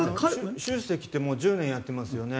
習主席ってもう１０年やってますよね。